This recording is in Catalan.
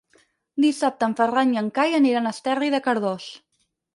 Dissabte en Ferran i en Cai aniran a Esterri de Cardós.